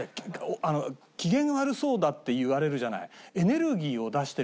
機嫌悪そうだって言われるじゃない。